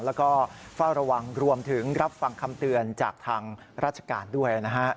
แล้วก็เฝ้าระวังรวมถึงรับฟังคำเตือนจากทางราชการด้วยนะฮะ